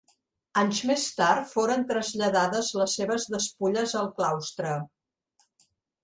Anys més tard foren traslladades les seves despulles al claustre.